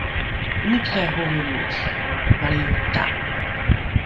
omikikai holrolo valriota?